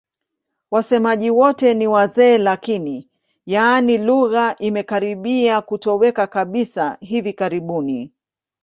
Wasemaji wote ni wazee lakini, yaani lugha imekaribia kutoweka kabisa hivi karibuni.